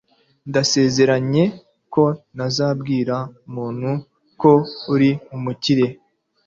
Ndasezeranye ko ntazabwira umuntu ko uri umukire